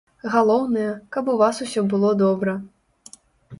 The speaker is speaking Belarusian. Галоўнае, каб у вас усё было добра.